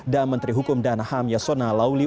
dan menteri hukum dan ham yasona lauli